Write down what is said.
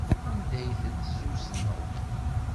Anda ay ten-tezzuzneḍ?